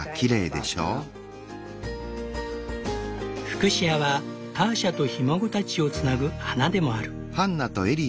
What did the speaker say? フクシアはターシャとひ孫たちをつなぐ花でもある。